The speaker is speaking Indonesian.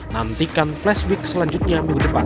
nantikan flash week selanjutnya minggu depan